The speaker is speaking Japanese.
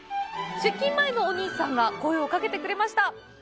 出勤前のお兄さんが声をかけてくれました！